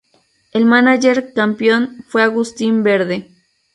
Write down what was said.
El mánager campeón fue Agustín Verde.